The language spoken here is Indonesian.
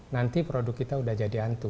nanti produk kita sudah jadi hantu